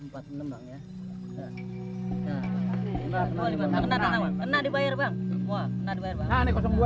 dua tiga bang ya